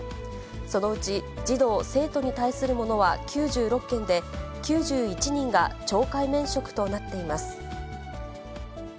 そのうち児童・生徒に対するものは９６件で、９１人が懲戒免職となっています。